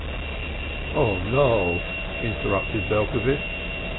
'" "Oh no," interrupted Belcovitch.